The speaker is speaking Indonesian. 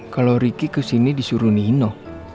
kalau ricky kesini disuruh nino